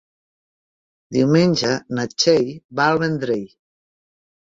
Diumenge na Txell va al Vendrell.